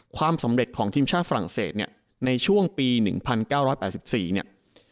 ความสำเร็จของทีมชาติฝรั่งเศสเนี่ยในช่วงปี๑๙๘๔เนี่ย